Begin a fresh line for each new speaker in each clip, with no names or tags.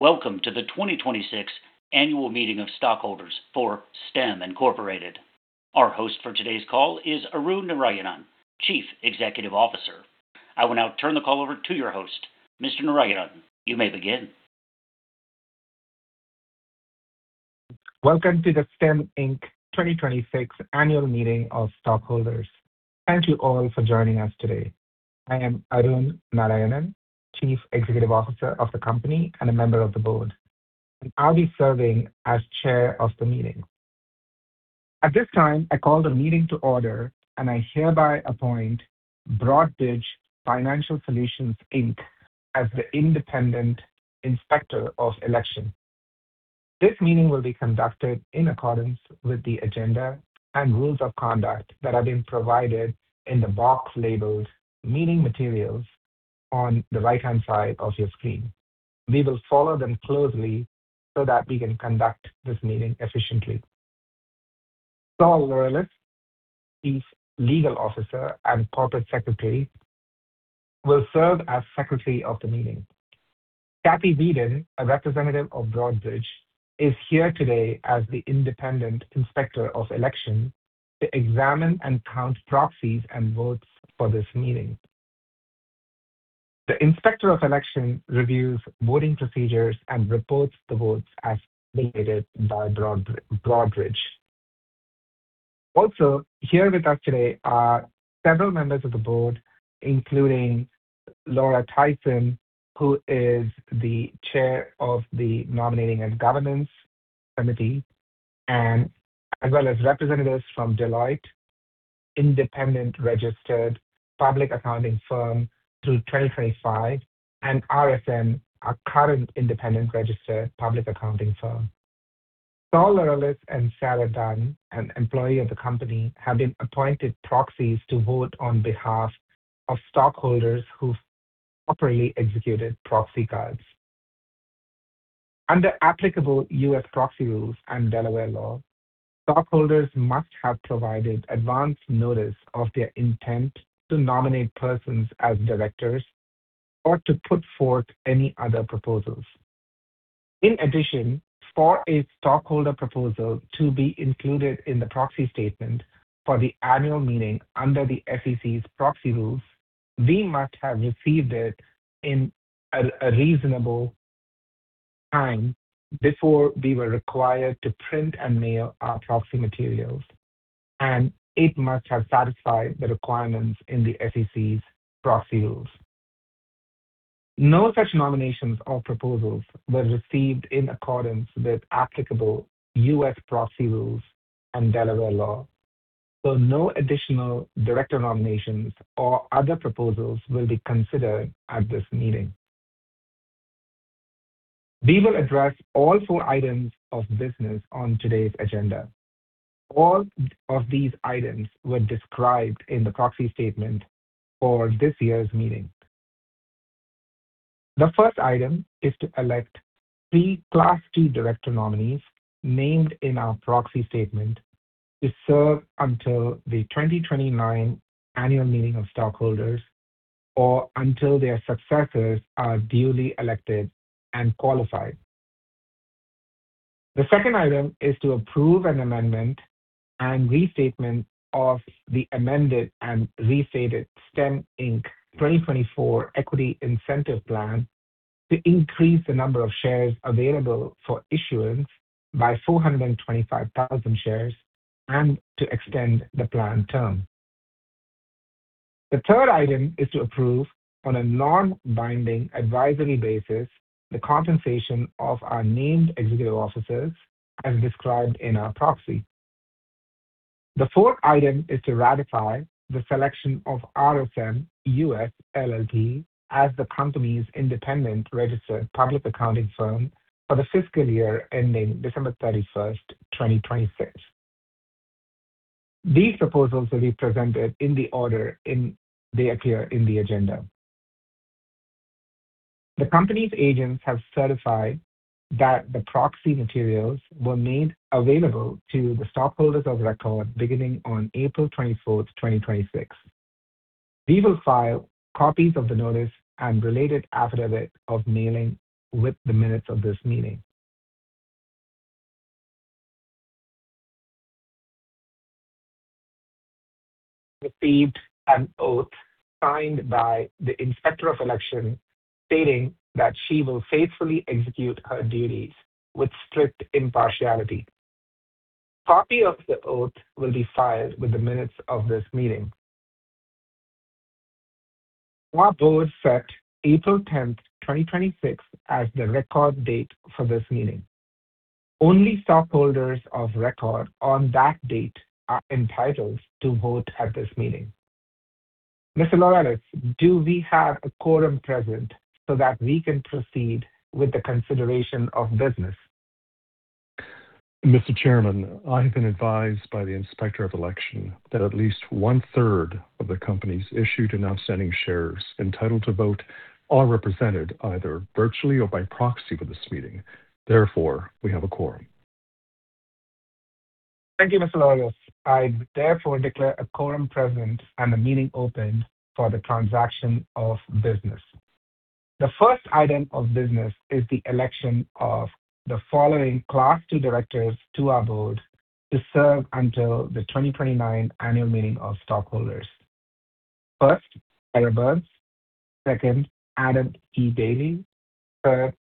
Welcome to the 2026 Annual Meeting of Stockholders for Stem, Inc. Our host for today's call is Arun Narayanan, Chief Executive Officer. I will now turn the call over to your host. Mr. Narayanan, you may begin.
Welcome to the Stem, Inc. 2026 Annual Meeting of Stockholders. Thank you all for joining us today. I am Arun Narayanan, Chief Executive Officer of the company and a member of the board, and I'll be serving as chair of the meeting. At this time, I call the meeting to order, and I hereby appoint Broadridge Financial Solutions, Inc as the independent inspector of election. This meeting will be conducted in accordance with the agenda and rules of conduct that have been provided in the box labeled Meeting Materials on the right-hand side of your screen. We will follow them closely so that we can conduct this meeting efficiently. Saul Laureles, Chief Legal Officer and Corporate Secretary, will serve as secretary of the meeting. Kathy Weeden, a representative of Broadridge, is here today as the independent inspector of election to examine and count proxies and votes for this meeting. The Inspector of Election reviews voting procedures and reports the votes as mandated by Broadridge. Here with us today are several members of the board, including Laura Tyson, who is the chair of the Nominating and Governance Committee, as well as representatives from Deloitte, independent registered public accounting firm through 2025, and RSM, our current independent registered public accounting firm. Saul Laureles and Sarah Dunn, an employee of the company, have been appointed proxies to vote on behalf of stockholders who've properly executed proxy cards. Under applicable U.S. proxy rules and Delaware law, stockholders must have provided advance notice of their intent to nominate persons as directors or to put forth any other proposals. In addition, for a stockholder proposal to be included in the proxy statement for the annual meeting under the SEC's proxy rules, we must have received it in a reasonable time before we were required to print and mail our proxy materials, and it must have satisfied the requirements in the SEC's proxy rules. No such nominations or proposals were received in accordance with applicable U.S. proxy rules and Delaware law. No additional director nominations or other proposals will be considered at this meeting. We will address all four items of business on today's agenda. All of these items were described in the proxy statement for this year's meeting. The first item is to elect three Class II Director nominees named in our proxy statement to serve until the 2029 Annual Meeting of Stockholders or until their successors are duly elected and qualified. The second item is to approve an amendment and restatement of the amended and restated Stem, Inc 2024 Equity Incentive Plan to increase the number of shares available for issuance by 425,000 shares and to extend the plan term. The third item is to approve, on a non-binding advisory basis, the compensation of our named executive officers as described in our proxy. The fourth item is to ratify the selection of RSM US LLP as the company's independent registered public accounting firm for the fiscal year ending December 31st, 2026. These proposals will be presented in the order they appear in the agenda. The company's agents have certified that the proxy materials were made available to the stockholders of record beginning on April 24th, 2026. We will file copies of the notice and related affidavit of mailing with the minutes of this meeting. Received an oath signed by the Inspector of Election stating that she will faithfully execute her duties with strict impartiality. Copy of the oath will be filed with the minutes of this meeting. Our board set April 10th, 2026, as the record date for this meeting. Only stockholders of record on that date are entitled to vote at this meeting. Mr. Laureles, do we have a quorum present so that we can proceed with the consideration of business?
Mr. Chairman, I have been advised by the Inspector of Election that at least 1/3 of the company's issued and outstanding shares entitled to vote are represented either virtually or by proxy for this meeting. Therefore, we have a quorum.
Thank you, Mr. Laureles. I therefore declare a quorum present and the meeting open for the transaction of business. The first item of business is the election of the following Class II directors to our board to serve until the 2029 Annual Meeting of Stockholders. First, Ira Birns. Second, Adam E. Daley. Third,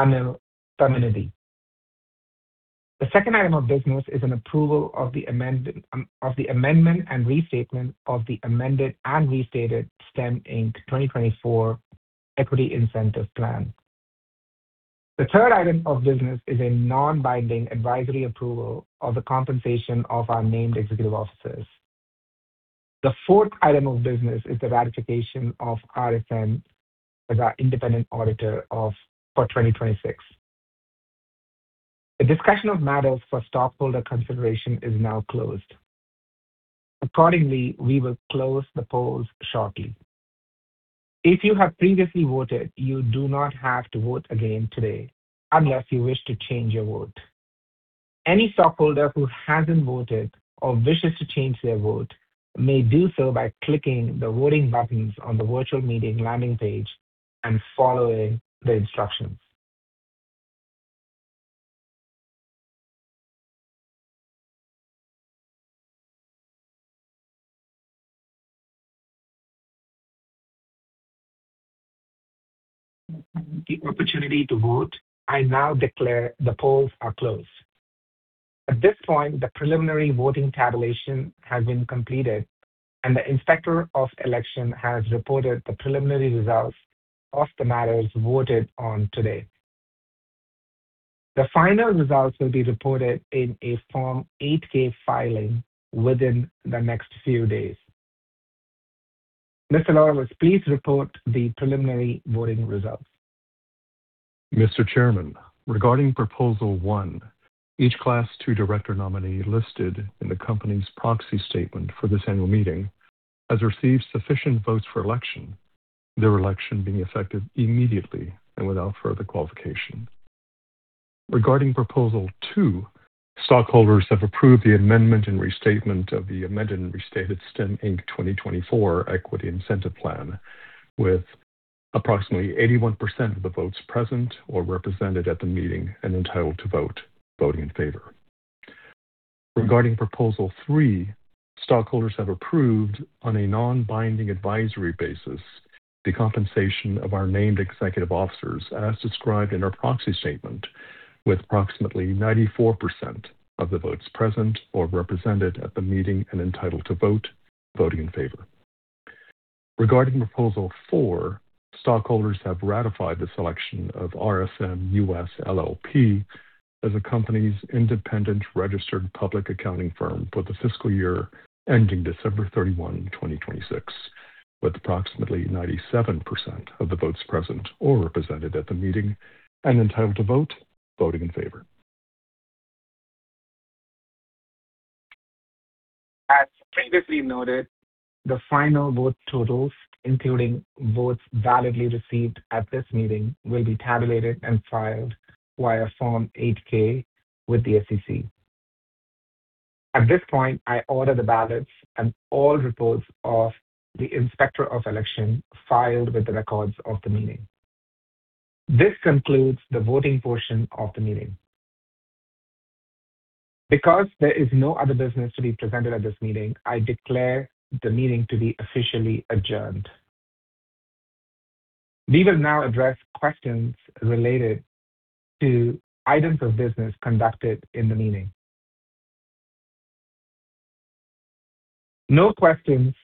Anil Tammineedi. The second item of business is an approval of the amendment and restatement of the amended and restated Stem, Inc 2024 Equity Incentive Plan. The third item of business is a non-binding advisory approval of the compensation of our named executive officers. The fourth item of business is the ratification of RSM as our independent auditor for 2026. The discussion of matters for stockholder consideration is now closed. Accordingly, we will close the polls shortly. If you have previously voted, you do not have to vote again today unless you wish to change your vote. Any stockholder who hasn't voted or wishes to change their vote may do so by clicking the voting buttons on the virtual meeting landing page and following the instructions. The opportunity to vote. I now declare the polls are closed. At this point, the preliminary voting tabulation has been completed, and the Inspector of Election has reported the preliminary results of the matters voted on today. The final results will be reported in a Form 8-K filing within the next few days. Mr. Laureles, please report the preliminary voting results.
Mr. Chairman, regarding Proposal 1, each Class II director nominee listed in the company's proxy statement for this annual meeting has received sufficient votes for election, their election being effective immediately and without further qualification. Regarding Proposal 2, stockholders have approved the amendment and restatement of the amended and restated Stem, Inc 2024 Equity Incentive Plan with approximately 81% of the votes present or represented at the meeting and entitled to vote, voting in favor. Regarding Proposal 3, stockholders have approved on a non-binding advisory basis the compensation of our named executive officers as described in our proxy statement, with approximately 94% of the votes present or represented at the meeting and entitled to vote, voting in favor. Regarding Proposal 4, stockholders have ratified the selection of RSM US LLP as the company's independent registered public accounting firm for the fiscal year ending December 31, 2026, with approximately 97% of the votes present or represented at the meeting and entitled to vote, voting in favor.
As previously noted, the final vote totals, including votes validly received at this meeting, will be tabulated and filed via Form 8-K with the SEC. At this point, I order the ballots and all reports of the Inspector of Election filed with the records of the meeting. This concludes the voting portion of the meeting. Because there is no other business to be presented at this meeting, I declare the meeting to be officially adjourned. We will now address questions related to items of business conducted in the meeting. No questions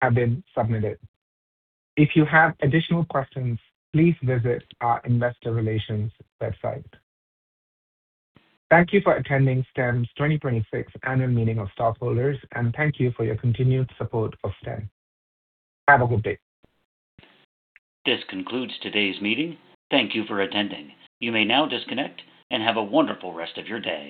have been submitted. If you have additional questions, please visit our investor relations website. Thank you for attending Stem's 2026 Annual Meeting of Stockholders and thank you for your continued support of Stem. Have a good day.
This concludes today's meeting. Thank you for attending. You may now disconnect and have a wonderful rest of your day.